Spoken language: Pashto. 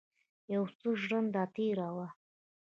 یو څه ژرنده تېره وه.